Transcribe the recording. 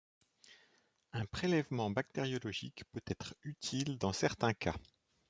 Un prélèvement bactériologique peut être utile dans certains cas.